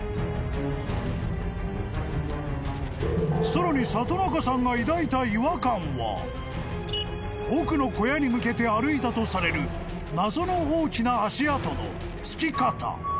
［さらに里中さんが抱いた違和感は奥の小屋に向けて歩いたとされる謎の大きな足跡のつき方］